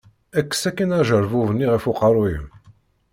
Kkes akin ajerbub-nni ɣef uqerru-m.